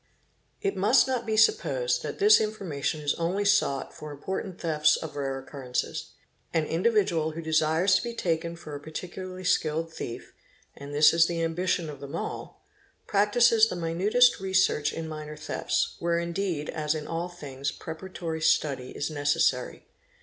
It must not be supposed that this information is only sought for in im portant thefts of rare occurences; an individual who desires to be taken for a particularly skilled thief—and this is the ambition of them all— practises the minutest researches in minor thefts, where indeed as in all things preparatory study is necessary.